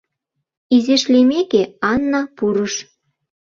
Изиш лиймеке, Анна пурыш.